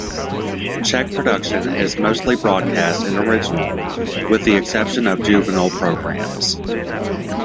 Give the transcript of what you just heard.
Czech production is mostly broadcast in original, with the exception of juvenile programs.